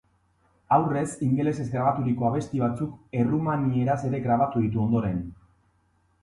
Aurrez ingelesez grabaturiko abesti batzuk errumanieraz ere grabatu ditu ondoren.